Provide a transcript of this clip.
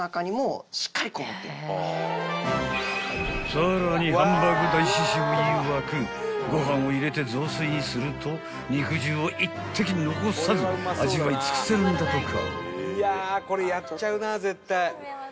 ［さらにハンバーグ大師匠いわくご飯を入れて雑炊にすると肉汁を一滴残さず味わい尽くせるんだとか］